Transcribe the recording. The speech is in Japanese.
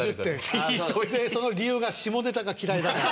でその理由が下ネタが嫌いだから。